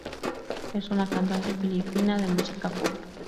Es una cantante filipina de música pop.